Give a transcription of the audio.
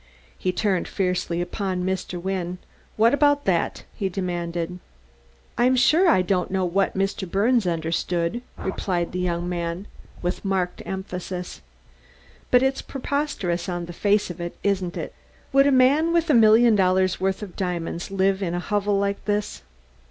He turned fiercely upon Mr. Wynne. "What about that?" he demanded. "I'm sure I don't know what Mr. Birnes understood," replied the young man, with marked emphasis. "But it's preposterous on the face of it, isn't it? Would a man with a million dollars' worth of diamonds live in a hovel like this?"